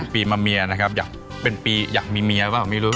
ปีมาเมียนะครับอยากเป็นปีอยากมีเมียเปล่าไม่รู้